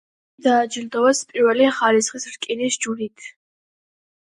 იგი დააჯილდოვეს პირველი ხარისხის რკინის ჯვრით.